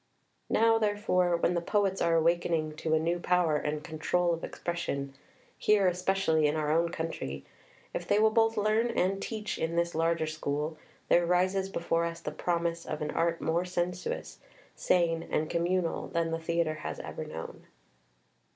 Now, therefore, when the poets are awaking to a new power and control of expression, here especially in our own country, if they will both learn and teach in this larger school, there rises before us the promise of an art more sensuous, sane, and communal than the theatre has ever known.